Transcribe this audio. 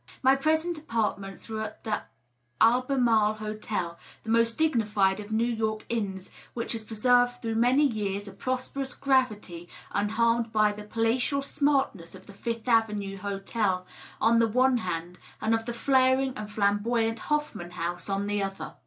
My present apartments were at the Albemarle Hotel, that most dignified of New York inns, which has preserved through many years a prosperous gravity unharmed by the palatial smartness of the Fifth Avenue Hotel on the one hand and of the flaring and flamboyant Hoffman House on the other.